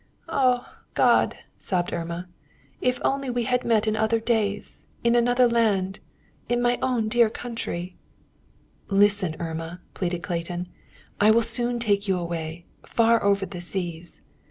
"Ah! God!" sobbed Irma. "If we had only met in other days, in another land, in my own dear country!" "Listen, Irma," pleaded Clayton. "I will soon take you away, far over the seas."